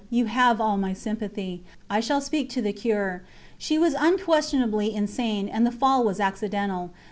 You have all my sympathy. I shall speak to the Cure. She was unquestionably insane, and the fall was accidental.